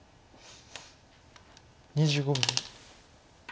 ２５秒。